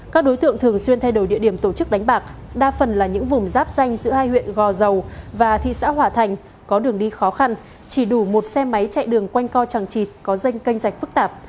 các đối tượng thường xuyên thay đổi địa điểm tổ chức đánh bạc đa phần là những vùng giáp danh giữa hai huyện gò dầu và thị xã hòa thành có đường đi khó khăn chỉ đủ một xe máy chạy đường quanh co tràng trịt có danh canh rạch phức tạp